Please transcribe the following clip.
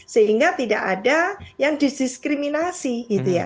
sehingga tidak ada yang didiskriminasi gitu ya